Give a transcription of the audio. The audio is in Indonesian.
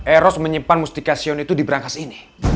eros menyimpan mustika xion itu di berangkas ini